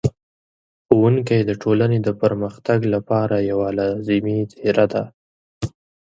ښوونکی د ټولنې د پرمختګ لپاره یوه لازمي څېره ده.